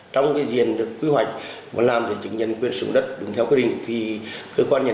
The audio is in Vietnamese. trong cái diện được quy hoạch và làm để chứng nhận quyền xuống đất đúng theo quy định thì cơ quan nhà